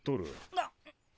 なっ！